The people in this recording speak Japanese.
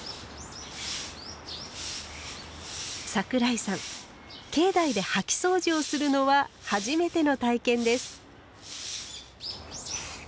桜井さん境内で掃きそうじをするのは初めての体験です。